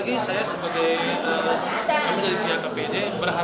bisa segera diterima oleh masyarakat